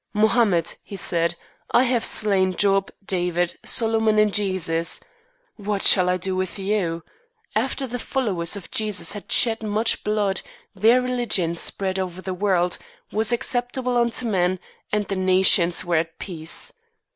"Mohammed," he said, "I have slain Job, David, Solomon, and Jesus. What shall I do with you? After the followers of Jesus had shed much blood, their religion spread over the world, was acceptable unto man, and the nations were at peace.